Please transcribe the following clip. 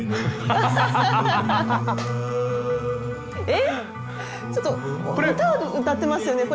えっちょっと歌歌ってますよね？